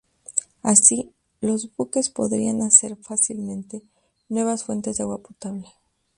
Así, los buques podrían hacer fácilmente nuevas fuentes de agua potable.